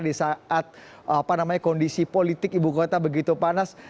di saat kondisi politik ibu kota begitu panas